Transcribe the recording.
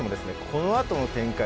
このあとの展開